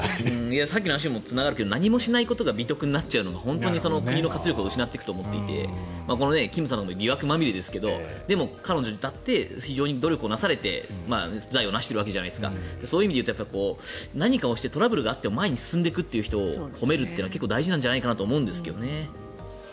さっきの話にもつながるけど何もしないことが美徳になっちゃうのは国の活力を失うことになると思っていてキムさんも疑惑まみれですがでも、彼女だって非常に努力なされて財を成しているわけじゃないですかそういう意味で言うと何かをしてトラブルがあっても前に進んでいくという人を褒めるというのは結構大事なんじゃないかと思うんですけどね。